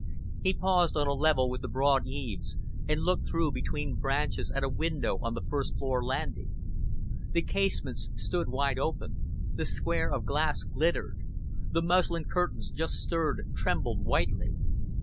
He paused on a level with the broad eaves, and looked through between branches at a window on the first floor landing. The casements stood wide open; the square of glass glittered; the muslin curtains just stirred, trembled whitely.